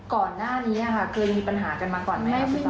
ก่อนหน้านี้ค่ะเคยมีปัญหากันมาก่อนไหม